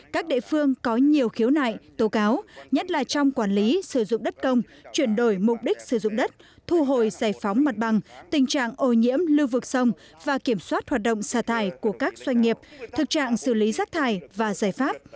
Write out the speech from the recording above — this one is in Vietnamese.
các địa phương có nhiều khiếu nại tố cáo nhất là trong quản lý sử dụng đất công chuyển đổi mục đích sử dụng đất thu hồi giải phóng mặt bằng tình trạng ô nhiễm lưu vực sông và kiểm soát hoạt động xả thải của các doanh nghiệp thực trạng xử lý rác thải và giải pháp